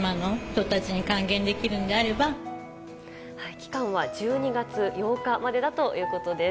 期間は１２月８日までだということです。